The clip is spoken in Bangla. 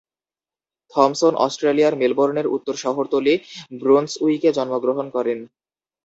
থমসন অস্ট্রেলিয়ার মেলবোর্নের উত্তর শহরতলি ব্রুন্সউইকে জন্মগ্রহণ করেন।